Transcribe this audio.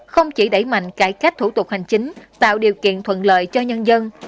không chỉ đẩy mạnh cải cách thủ tục hành chính tạo điều kiện thuận lợi cho nhân dân